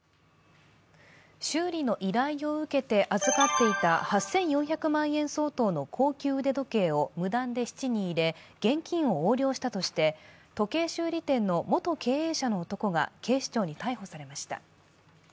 修理の依頼を受けて預かっていた８４００万円相当の高級腕時計を無断で質に入れ、現金を横領したとして時計修理店の元経営者の男が警視庁に逮捕されました。